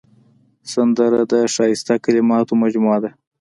سندره د ښایسته کلماتو مجموعه ده